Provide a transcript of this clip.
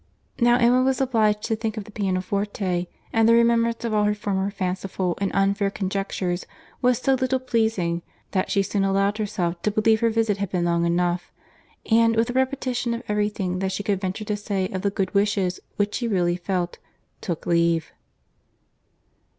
Now Emma was obliged to think of the pianoforte; and the remembrance of all her former fanciful and unfair conjectures was so little pleasing, that she soon allowed herself to believe her visit had been long enough; and, with a repetition of every thing that she could venture to say of the good wishes which she really felt, took leave.